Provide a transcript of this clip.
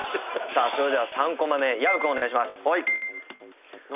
それでは３コマ目薮君お願いします。